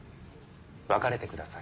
別れてください。